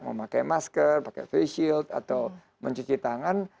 mau pakai masker pakai face shield atau mencuci tangan